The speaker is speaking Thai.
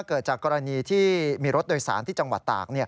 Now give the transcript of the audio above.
เกิดจากกรณีที่มีรถโดยสารที่จังหวัดตาก